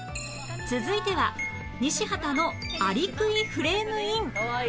続いては西畑のアリクイフレームイン